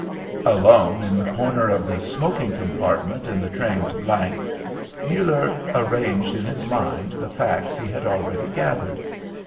Alone in the corner of the smoking compartment in the train to G , Muller arranged in his mind the facts he had already gathered.